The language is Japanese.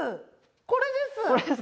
これです